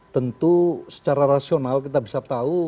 tentu secara rasional kita bisa tahu